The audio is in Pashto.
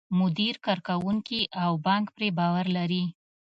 مدیر، کارکوونکي او بانک پرې باور لري.